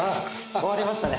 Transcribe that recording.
終わりましたね。